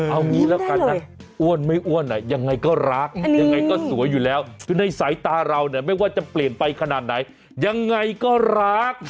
เอางี้แล้วกันนะอ้วนไม่อ้วนยังไงก็รักยังไงก็สวยอยู่แล้วคือในสายตาเราเนี่ยไม่ว่าจะเปลี่ยนไปขนาดไหนยังไงก็รัก